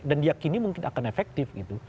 dan diakini mungkin akan efektif gitu